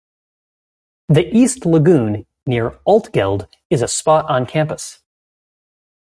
The East Lagoon near Altgeld is a spot on campus.